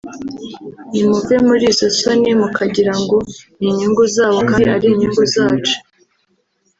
nimuve muri izo soni mukagira ngo ni inyungu zabo kandi ari inyungu zacu